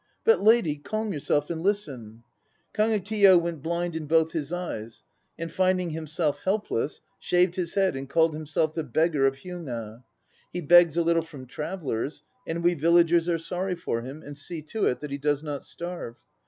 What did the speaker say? But, lady, calm yourself and listen. Kagekiyo went blind in both his eyes, and finding himself helpless, shaved his head and called himself the beggar of Hyuga. He begs a little from travellers; and we villagers are sorry for him and see to it that he does not starve.